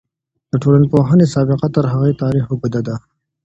د ټولنپوهنې سابقه تر هغې تاريخ اوږده ده.